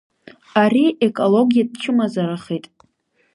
Ари екологиатә чмазарахеит.